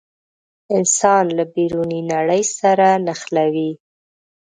انسان له بیروني نړۍ سره نښلوي.